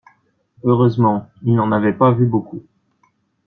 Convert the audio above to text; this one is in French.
Heureusement, il n’en avait pas vu beaucoup.